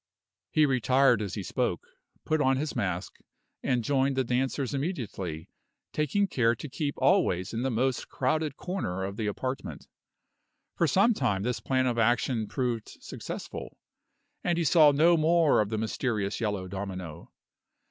He retired as he spoke, put on his mask, and joined the dancers immediately, taking care to keep always in the most crowded corner of the apartment. For some time this plan of action proved successful, and he saw no more of the mysterious yellow domino.